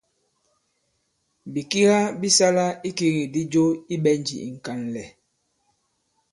Bìkiga bi sala ikigikdi jo i ɓɛ̀njì ì ŋ̀kànlɛ̀.